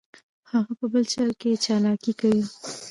هغه په چل کې چلاکي کوي